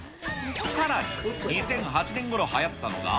さらに、２００８年ごろはやったのが。